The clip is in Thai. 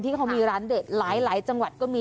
ที่เขามีร้านเด็ดหลายจังหวัดก็มี